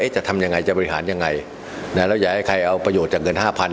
เอ๊ะจะทำยังไงจะบริหารยังไงอ่ะแล้วอย่าให้ใครเอาประโยชน์จากเกินห้าพัน